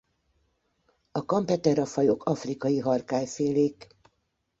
A Campethera-fajok afrikai harkályfélék.